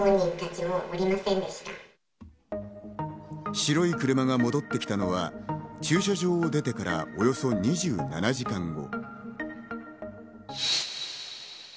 白い車が戻ってきたのは駐車場を出てからおよそ２７時間後。